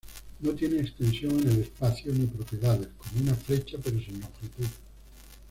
No tiene extensión en el espacio ni propiedades, como una flecha pero sin longitud.